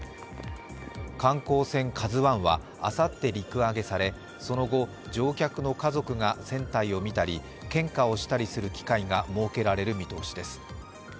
観光船「ＫＡＺＵⅠ」はあさって陸揚げされその後、乗客の家族が船体を見たり献花をしたりする機会が設けられる見通しです。